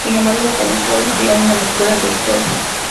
Sin embargo, los sensores dieron una lectura de cero.